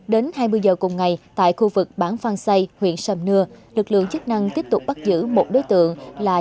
đến hai mươi giờ cùng ngày tại khu vực bản phan xây huyện sầm nưa lực lượng chức năng tiếp tục bắt giữ một đối tượng là